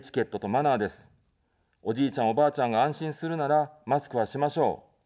おじいちゃん、おばあちゃんが安心するなら、マスクはしましょう。